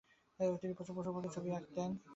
তিনি প্রচুর পশুপাখির ছবি আঁকেন।